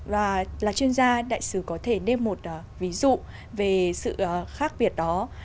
và là chuyên gia đại sứ có thể nêu một ví dụ về sự khác biệt đó